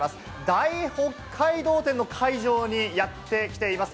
大北海道展の会場にやってきています。